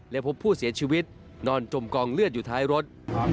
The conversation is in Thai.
และพบผู้เสียชีวิตนอนจมกองเลือดอยู่ท้ายรถ